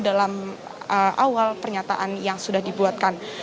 dalam awal pernyataan yang sudah dibuatkan